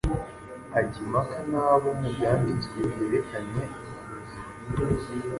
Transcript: ajya impaka na bo mu Byanditswe byerekeranye n’ubuzima,